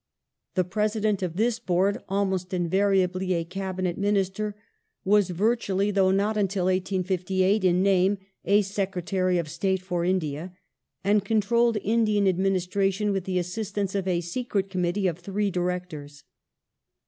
The President of this Board (almost invariably a Cabinet Minister) was virtually, though not until 1858 in name, a Secretary of State for India, and controlled Indian Administration with the assistance of a Secret Committee of three Directors.